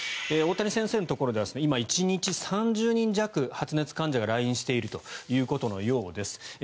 大谷先生のところでは今、１日３０人弱発熱患者が来院しているというようです。